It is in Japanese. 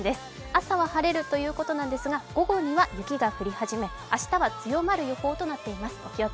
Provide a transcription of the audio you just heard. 朝は晴れるということですが、午後には雪が降り始め、明日は強まる予報となっています。